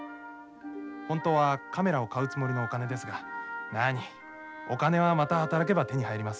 ほんとうはカメラをかうつもりのお金ですがなあにお金はまたはたらけば手にはいります。